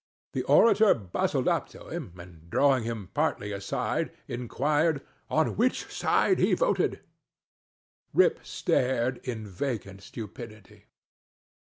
The orator bustled up to him, and, drawing him partly aside, inquired "on which side he voted?" Rip stared in vacant stupidity.